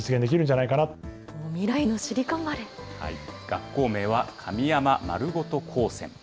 学校名は、神山まるごと高専。